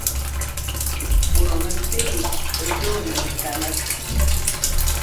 Boro mɛmpegi bɛndiɔ nɛ mɛkanan.